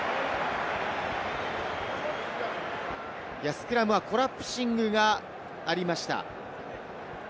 スクラムはコラプシングがありました。